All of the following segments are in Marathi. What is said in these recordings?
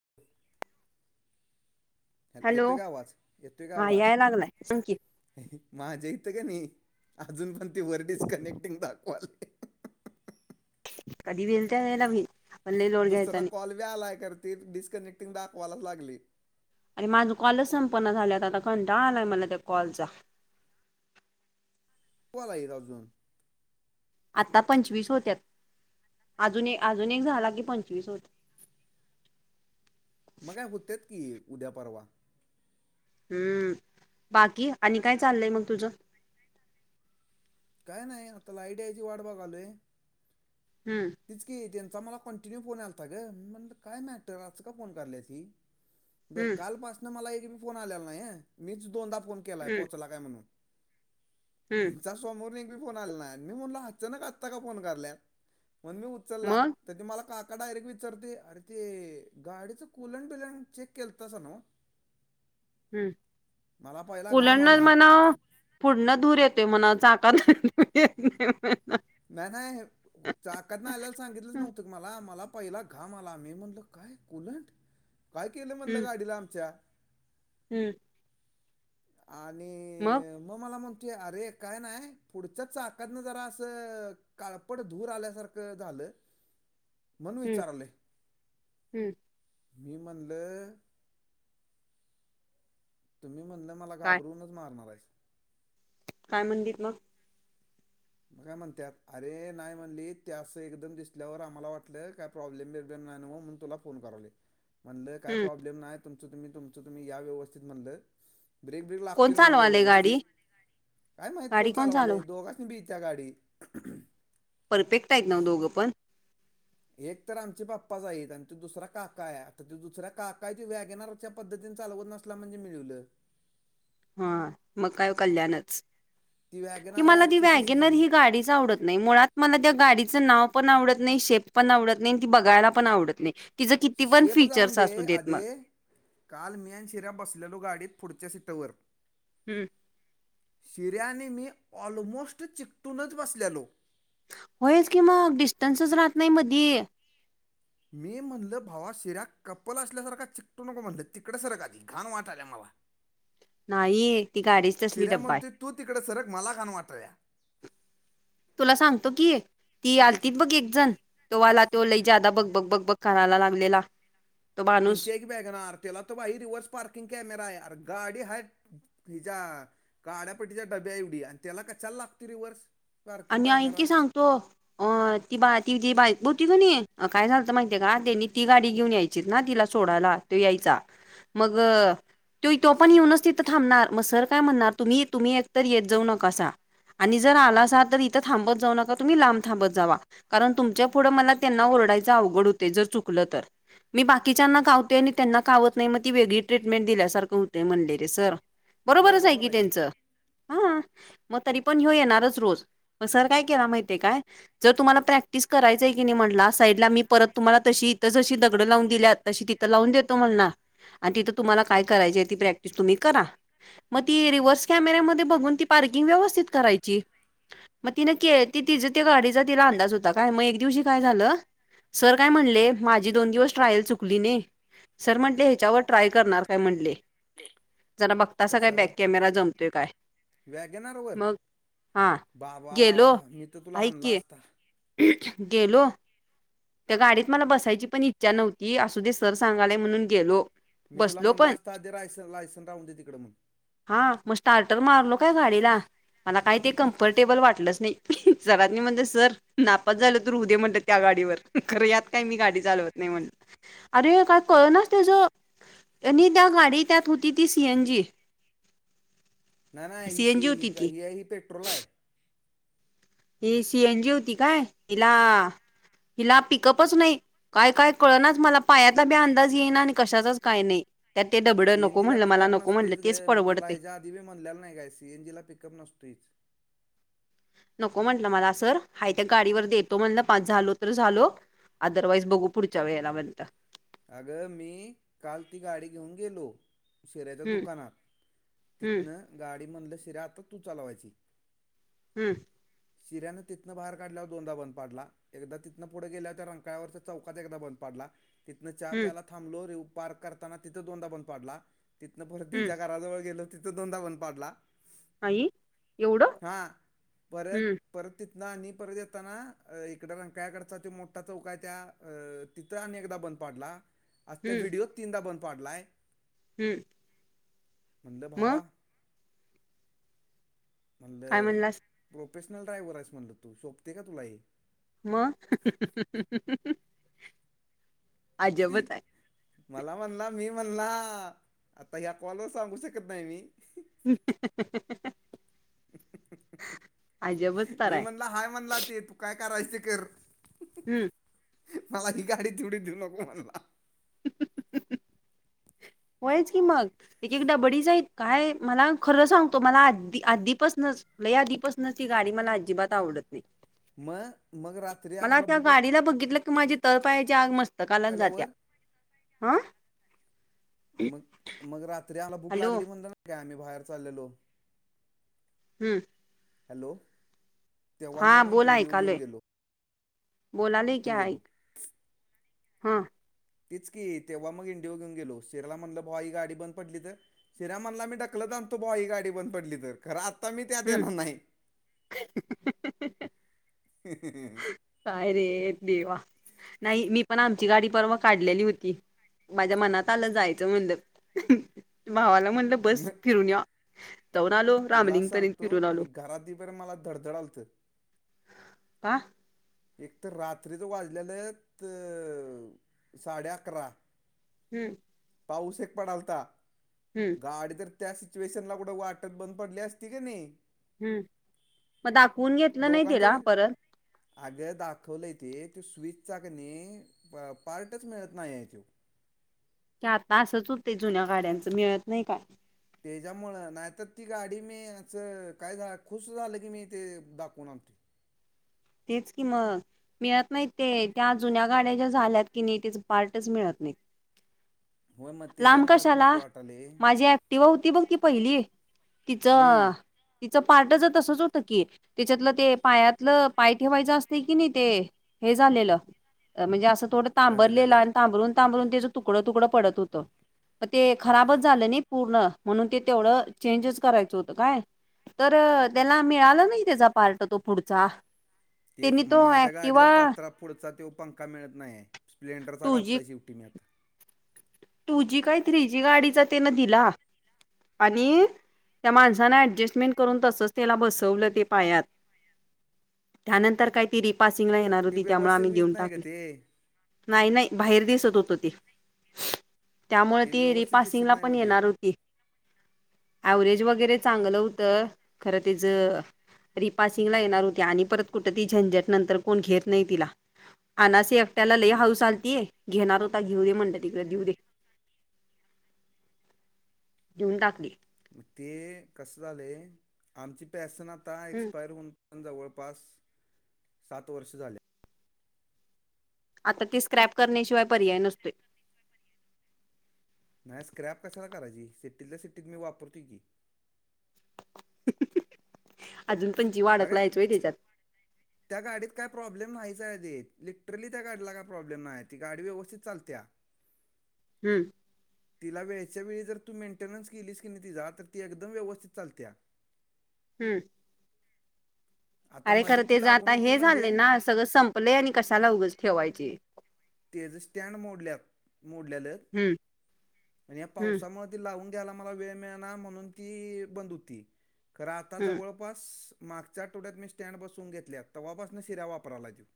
[unintelligible] [inaudible] हॅ हॅलो येत का आवाज, येत का हा आवाज. याय लागलाय सांग की माझ्या इथं का नाही अजून पण, ते वर डिस्कनेक्टिंग दाखवाले. कधी होईल त्या वेळेला होईल [unintelligible] [inaudible] लोड घ्यायचा दुसरा नाही कॉल व्या आलायकरती, डिस्कनेक्टिंग दाखवायलाच लागली. आणि माझं कॉलच संपना झाल्यात आता कंटाळा आलाय मला त्या कॉलचा किती कॉल आहेत अजून? आता पंचवीस होत्यात अजून एक अजून एक झाला की पंचवीस होत्यात. मग काय होत्या की उद्या परवा हम्म बाकी आणि काय चाललंय मग तुझं? काय नाही आता लाईट यायची वाट बघालोय. हुं तेच की त्यांचा मला कंटिन्यू फोन यायलता गं म्हटलं काय मॅटर आज का फोन कराल्यात ही बरं हम्म कालपासंन मला एक बी फोन आलेला नाही. मीच दोनदा फोन केलाय हम्म पोहोचला काय म्हणून हम्म तेंचाच समोरनं एक बी फोन आले नाही. मी म्हणलो अचानक आत्ता का फोन कराल्यात? म्हणून मी उचलला. मग तर ते मला काका डायरेक्ट विचारतयं अरे ते गाडीचं कुलन बिलण चेक केलंतासा नव्हं? हम्. मला पहिला घाम कूलनं आला म्हणावं पुढंन धूर येतोय म्हणावं चाकतनं धूर येत नाही. नाय-नाय चाकातनं आल्याला सांगितलंच नव्हतं ग मला. मला पहिला घाम आला मी म्हणलं काय कुलण? [inaudible] काय केलं म्हणलं हम्म गाडीला आमच्या? हम्म. आणि मग मला म्हणतोय अरे काय नाय. पुढच्या चाकातनं जरा असं काळपट धूर आल्यासारखं झालं. [inaudible] म्हणून हम्म विचारालोय. हम्म मी म्हणलं तुम्ही म्हणलं मला काय घाबरूनच मारणार आहेस काय म्हणलित मगं? मग काय म्हणत्यात अरे नाही म्हणली ते असं एकदम दिसल्यावर आम्हाला वाटलं काय प्रॉब्लेम-बिबलेम नाय नव्हं म्हणून तुला फोन करालोय. म्हणलं काय हम्म प्रॉब्लेम नाही तुमचं तुम्ही, तुमचं तुम्ही या व्यवस्थित म्हणलं. ब्रेक बीक कोण लागतोय ना? म्हणलं चालवालय गाडी व्यवस्थित काय माहित गाडी कोण चालव चालवालय? दोघ बी इत्या गाडी. परफेक्ट आहेत नवं दोघं पण? एक तर आमचे पप्पाच आहेत आणि तो दुसरा काका आहे. आता ते दुसऱ्या काका ते वॅगेनार त्या पद्धतीन चालवत नसला म्हणजे मिळीवलं. हा मग काय कल्याणच. ती कि वॅगनार आहे मला ती आठशे वॅगेनर सीसीची ही गाडीच आवडत नाही. मुळात मला त्या गाडीचं नाव पण आवडत नाही, शेप पण आवडत नाही, ती बघायला पण आवडत नाही. तिचं किती पण शेफ जाऊन फीचर्स दे. असू देत आदे मग. काल मि आणि शिऱ्या बसलेलो गाडीत पुढच्या सीटंवर हम्म. शिऱ्या आणि मी ऑलमोस्ट चिकटूनच बसल्यालो. होयच की मग, डिस्टन्सच राहतं नाही मधी मी म्हणलं भावा शिऱ्या कपल असल्यासारखा चिकटू नको. म्हणलं तिकडं सरक आधी घाण वाटाल्या मला. नाही ती गाडीच तसली शिऱ्या डब्बा आहे. म्हणतोय तू तिकडे सरक मला काण वाटाल्या. तुला सांगतो की ती आलतीत बघ एक जण तो आला तो लय जादा बग-बग-बग-बग कराला लागलेला तो माणूस तेची आहे की व्यागनार. त्याला तो भाई रिव्हर्स पार्किंग कॅमेरा आहे. आर गाडी हाय हिच्या काड्यापट्टीच्या डब्या एवढी आणि त्याला कशाला लागतोय रिवर्स? आणि आईकी सांगतो. अ-ती-बा-ती-ती बाय बोवती का नाही काय झालतं माहिती आहे का त्यांनी ती गाडी घेऊन यायचीच ना तिला सोडायला तो यायचा मग तोय तो पण येऊनच तिथं थांबणार, मग सर काय म्हणणार तुम्ही-तुम्ही एकतर येत जाऊ नकासा आणि जर आलासा तर इथं थांबत जाऊ नका, तुम्ही लांब थांबत जावा. कारण तुमच्या पुढं मला त्यांना ओरडायचं अवघड होतय जर चुकलं तर मी बाकीच्यांना कावतय आणि त्यांना कावत नाही मग ती वेगळी ट्रीटमेंट दिल्यासारखं होते म्हणले रे सर. बरोबरच आहे की त्यांच हा. मग तरी पण घेऊ येणारच रोज मग सर काय केला माहितीय काय? जर तुम्हाला प्रॅक्टिस करायचय की नाही म्हटला साईडला मी परत तुम्हाला तशी इथं जशी दगडं लावून दिल्यात तशी तिथं लावून देतो मला ना आणि तिथं तुम्हाला काय करायची ती प्रॅक्टिस तुम्ही करा. मग ती रिव्हर्स कॅमेरेमध्ये बघून ती पार्किंग व्यवस्थित करायची. मग ति न के ति त्या गाडीचा तिला अंदाज होता काय मग एक दिवशी काय झालं. सर काय म्हणले माझी दोन दिवस ट्रायल चुकली नाही. सर म्हंटले ह्याच्यावर ट्राय करणार काय म्हटले. जरा बघता असा काय कशावर बॅक कॅमेरा जमतोय काय वॅगनारवर मग हा. बाबा गेलो मी तर तुला ऐक हला की असता. गेलो. त्या गाडीत मला बसायची पण इच्छा नव्हती असू दे सर सांगालाय म्हणून गेलो. मी तुला बसलो म्हण पण लास्ता रायस लायसन राहून दे तिकडंणून. हा मग स्टार्टर मारलो काय गाडीला. मला काही ते कम्फर्टेबल वाटलंच नाही सरात मी म्हणते सर. नापात झालं तू र उदय म्हणत त्या गाडीवर खरं यात काही मी गाडी चालवत नाही म्हण. अरे काय कळ ना त्याच त्या गाडी त्यात होती ती सीएन जी. नाही नाही ह सी सीएनजी होती ती ह ह पेट्रोल आहे. ही सीएन जी होती काय हिला हिला पिकअपच नाही. काय काय कळ नाच मला पायातला ब अंदाज येईना आणि कशाचाच काय नाही. त्यात ते दबड नको सीएनजी म्हणलं मला नको म्हणलं तेच परवडते. दिवे म्हणलेला नाही काय सीएनजी ला पिकअप नसतोच. नको म्हटलं मला अस सर हा त्या गाडीवर देतो म्हणलं पाच झालो तर झालो. अदरवाईज बघू पुढच्या वेळेला बयंत. अगं मी काल ती गाडी घेऊन गेलो. शिऱ्याच्या हम्म दुकानात हम्म तिथनं गाडी म्हणलं शिऱ्या आता तू चालवायची हम्म शिऱ्यानंिथं बाहेर काढल्या हो दोदांदनपाडला. एकदा तिथनं पुढे गेल्यावर त्या रंकाळवरचा चौकाच एकदा बंद पाडला. तिथनं चहा हम्म प्यायला थांबलो रे पार्क करताना तिथं दोनदा बंद पाडला. तिथनं परत हम्म त्यांच्या घराजवळ गेलं तिथं दोनदा बणन पाडला. आई एवढं हा परत हम्म परत तिथना आणि परत येताना इकडंक्याकडचा तो मोठा चौक आहे त्या तित्र आणि एकदा बंद पाडला आज त्या हम्म व्हिडिओच तीनदा बंद पाडलाय. हम्म. म्हंद मग भावा. काय म्हणलं म्हणलास प्रोफेशनल ड्राय्हर आहेस म्हणलं तू सोपते का तुला हे. मगऽऽ अजबच आय. मला म्हणला, मी म्हणला, आता ह्या कॉलवर सांगू शकत नाही मी. अजबच तरय ला हाय म्हणला ते तू काय कारायच कर. हम्म. मला ही गाडी तवढी देऊ नको म्हणला हहहह.. होयच की मग,,, एक एकदबडीच आईत, काय,, मला खरं सांगतो,, मला आदी,, आधीपासनचऽ लय आधीपासन ती गाडी, मला अजिबात आवडत नाही. मग,, मगरऽ मला त्या गाडीला बघितलं की, माझी तळ पायाची आग मस्तकालाच जात्या,, लागल्यावर हं. मग, मग रात्री आम्हाला भूक हॅलो लागली म्हणलो नवतो काय, आम्ही बाहेर चाललेलो,, हम्म, हॅलो,, तेव्हा मग, इंडिओ घेऊन गेलो. बोलालय की घेऊन गेलो एक,, हा, तीच की,, तेव्हा मग इंडिओ घेऊन गेलो,, सिर्याला म्हटलं भावा हि गाडी बंद पडली तर,, सिर्या मणला मी ढकलंत आनतो बॉ ही गाडी बंद पडली तर. खर आत्ता मी, त्यात हम्म एणार नाही. हहह काय रे देवा! नाही, मी पण आमची गाडी परवा काढल्याली होती. माझ्या मनात आलं, जायचं म्हणलं, भावाला म्हणलं बस, म फिरून याव. जाऊन आलो. तुला सांगतो,, मी आलो घरात ईवपतर मला धडधडालत. आंऽ एक तर रात्रीचं वाजलेलंत,,, अंऽसाडे अकरा. हम्म, पाऊस एक पडलता,, हम्म गाडी तरऽ त्या सिच्युएशन ला कुठं वाटत बंद पडली असती का नई,, हम्म,, मग दाखवून घेतलं नाही तिला,, परत. अग्ग दाखवलंय ते, ते स्विच चा क णै, पार्टच मिळत नाही या्य तो. की आता असंच हुतय जुन्या गाड्यांचं,, मिळत नाही काय. त्याच्यामुळं, नाहीतर ती गाडी मी असं, काय झा खुश झालं, की मी ते दाखवून आनतोय. तेच कि मग,, मिळत नाहीत ते, त्या जुन्या गाड्याच्या झाल्यात कि नाही, त्याच पार्टच मिळत नाहीत. होय मग लांब त्याच्यामुळंच कशाला,, नको वाटाले माझी ऍक्टिवा होती बघ ती पहिली,, तिचं, हम्म तिचं पार्टच तसच होतं की, त्यािच्यातल ते पायातलं ऽ पाय ठेवायच असतय की नाही, ते हे झालेलं, म्हणजे असं थोडं तांबरलेलं, गंजलेलं आणि तांबरूनऽ तांबरून त्याच तुकड, तुकडं पडत होतं. मग ते खराबच झालं नाही पूर्ण, म्हणून ते तेवढं, चेंजच करायचं होतं काय. तर,, त्याला मिळालं नाही, त्याचा पार्ट तो पुढचा. तेच त्यांनी मग,, तो माझ्या ऍक्टिवा गाडीचा पात्रा पुढचा तेवो पंखा मिळत नाही आहे,, स्प्लेंडरचा टू जी घातलाय शेवटी मी आता,, टू जी काय थ्री जी गाडीचा त्यानं दिला,, आणिऽ त्या माणसानं ऍडजस्टमेंट करून तसंच त्याला बसवलं ते पायात. त्यानंतर काय ती रिपासिंगला येणार ते होती, त्यामुळे व्यवस्थित आम्ही येत देऊन नाही का टाकलं. ते नाही नाही,, बाहेर दिसत होत ते. त्यामुळे ते ती, रि व्यवस्थित दिसत पासिंगला नाही पण मग ते येणार हुती. अवरेज वगैरे चांगलं हुतं, खरं तीचंऽ रिपासिंग ला येणार हुती, आणि परत कुठं ती झंझट, नंतर कोण घेत नाही तिला, अनायसे एकट्याला लई हाऊस आलती,, घेणार होता घेऊ देे म्हणल तिकडं, घिऊ दे. घीऊन टाकऽ मग ते कसं झाले आमची पेसं ना आता हम्म एक्सपायर होऊन ण जवळपास सात वर्ष झाल्या आता ती स्क्रॅप करण्याशिवाय पर्याय नसतो नाही स्क्रॅप कशाला करायची, सिट्टीतल्या सिट्टीत मी वापरतोय की. अजून पण जी आडक अगं लायच होय त्याच्यात. त्या गाडीत काय प्रॉब्लेम नाहीच आहे ते,, लिटरली त्या गाडीला काय प्रॉब्लेम नाहीय,, ती गाडी व्यवस्थित चालत्या. हम्म, तिला वेळच्या वेळी जर तू मेंटेन्स केलीस की नाही तिचा,, तर ती एकदम व्यवस्थित चालत्या. हम्म आता अरे खरं मधी ते ती जा लागून होती हे झालेय म्हणजे ना सगळं संपलेय आणि कशाला उग ठेवायची तेज स्टँड मोडल्या मोडलेले हम्म आहेत आणि या हम्म पावसामध्ये लावून घ्यायला मला वेळ मिळ म्हणून त बंद होती खर आ हम्म जवळ जपास मागच्या टोळ्यात मी स्टँड बसून घेतल्या तेव्हापास न शिऱ्या वापरावला ला देवऊ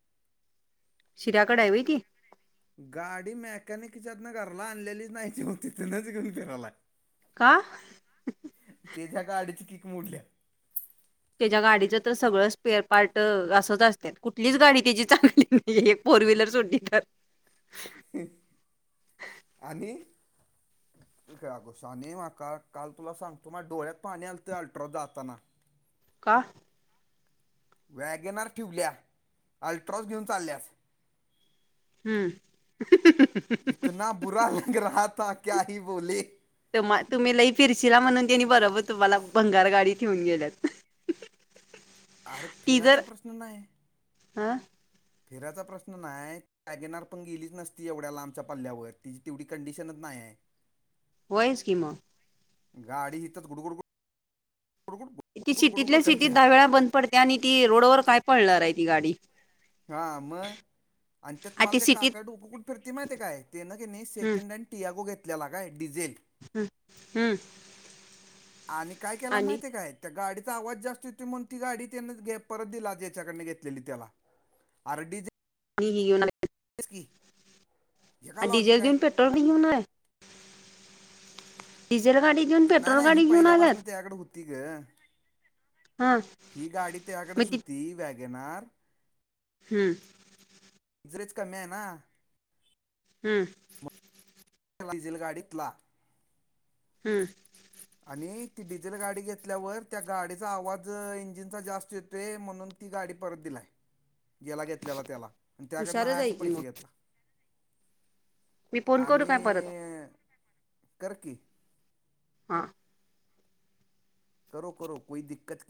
शिराकड आहेवती गाडी मेकॅनिकच्यात ना घराला आणलेलीच नाही तेेव तिथेच घेऊन फिरायला काहा तेच्या्या गाडीची कीक मोडल्या त्याच्या गाडीचं तर सगळं स्पेअर पार्ट असंच असत कुठलीच गाडी त्याची चांगली एक फोर व्हीलर जोडली तर ह आणि अगं साने का -काल तुला सांग तो माझ्या डोळ्यात पाणी आलतं अल्ट्रा जाताना. का? वॅगनर ठिवल्या, अल्ट्रॉस घेऊन चालल्यास. हम अह ह ह ह इतना बुरा लग रहा, था क्या ही बोले. तुमा- तुम्ही लई फिरचीला म्हणून, त्यांनी बरोबर तुम्हाला भंगार गाडी ठेवून गेल्यात. [unintelligible] आरं! फिरायचा प्रश्न नाही. हअ फिरायचा प्रश्न नाही? बॅगेनार पण गेलीच नसती, एवढ्या लांबच्या पल्ल्यावर तिची तेवढी कंडिशनच नाही हाय. वयचं कि म गाडी हिथंच गुडगुड गुडगुड गुडगुड ती गुडगुड सिटीतल्या गुडगुड सिटीत करते दहा हा वेळा बंद पडत्या, आणि ती रोडवर काय पडणार आहे ती गाडी. हा, मग आणि त्यात मला ती ते सिटीत काका [unintelligible] घेवून फिरतय माहिती काय ते न की नाही हम्म सेकंड हँड टियागो घेतल्याला काय डिझेल ह हम आणि काय केला, माहितीय काय? त्या गाडीचा आवाज जास्त येतोय, म्हणून ती गाडी त्यान घ परत दिला, ज्याच्या कडन घेतलेली त्याला. आरं! डिझे [unintelligible] [unintelligible] हे का आणि डिजल लॉजिक घेऊन आहे पेट्रोल बी घेऊन आल्या, डिजेल गाडी. देऊन नाही पेट्रोल नाही ही गाडी घेऊन पहिल्या पासून, आल्यात त्याकडे होती. ती गं हा ही गाडी मग त्याकडेच होती, वॅगनार हम ज्रेज कमी हाय, ना हम [unintelligible] डिझेल गाडीत ला. हम. आणि ती डिझेल गाडी घेतल्यावर, त्या गाडीचा आवाज इंजिनचा जास्त येतोय म्हणून ती गाडी परत दिलाय. [inaudible] याला घेतलेला त्याला, आणि त्याकडनं हुशारच हा अस आहे की पैसे मग घेतला. मी फोन करू आणि काय परत कर की. हा करो करो कोई दिक्कत कि